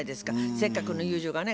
せっかくの友情がね